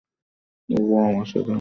ওহ, wow, অসাধারণ।